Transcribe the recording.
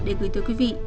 để gửi tới quý vị